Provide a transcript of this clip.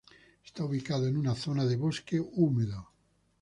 Esta ubicado en una zona de bosque húmedo.